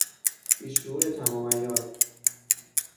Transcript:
بیشعور تمام عیار!